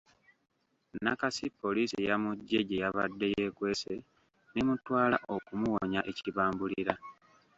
Nakasi poliisi yamuggye gye yabadde yeekwese n’emutwala okumuwonya ekibambulira.